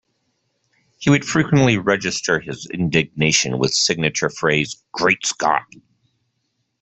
He would frequently register his indignation with signature phrase Great Scott!